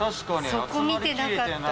そこ見てなかった。